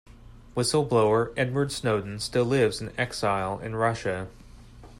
Whistle-blower Edward Snowden still lives in exile in Russia.